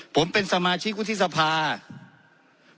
ผมเป็นสมาชิกวุฒิสภา